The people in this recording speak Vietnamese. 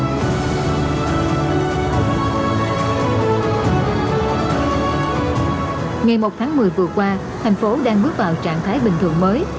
ngày một tháng một mươi vừa qua thành phố đang bước vào trạng thái bình thường mới